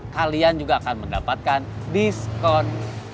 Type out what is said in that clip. kalian juga akan mendapatkan diskon